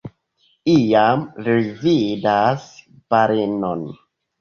Iam, ri vidas balenon.